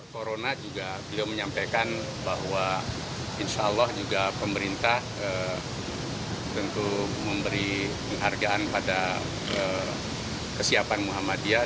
corona juga beliau menyampaikan bahwa insya allah juga pemerintah tentu memberi penghargaan pada kesiapan muhammadiyah